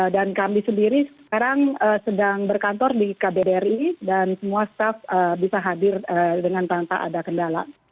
dan kami sendiri sekarang sedang berkantor di kbri dan semua staff bisa hadir dengan tanpa ada kendala